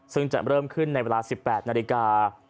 ซึ่งจะเริ่มขึ้นในเวลา๑๘นาฬิกา